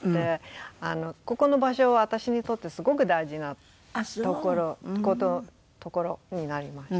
ここの場所は私にとってすごく大事な所になりました。